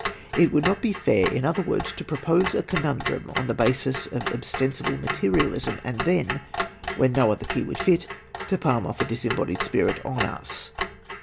It would not be fair, in other words, to propose a conundnmi on a basis of ostensible materialism, and then, when no other key would fit, to palm o£F a disembodied spirit on us.